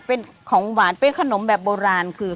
เป็นของหวานเป็นขนมแบบโบราณคือ